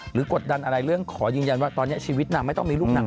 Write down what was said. กดดันอะไรเรื่องขอยืนยันว่าตอนนี้ชีวิตนางไม่ต้องมีลูกนาง